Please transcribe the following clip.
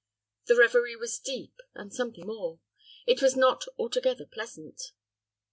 The revery was deep, and something more: it was not altogether pleasant.